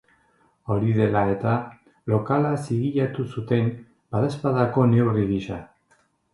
Hori dela eta, lokala zigilatu zuten, badaezpadako neurri gisa.